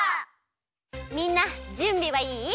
みんなじゅんびはいい？